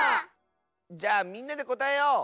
じゃあみんなでこたえよう！